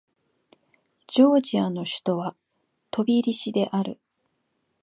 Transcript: ジョージアの首都はトビリシである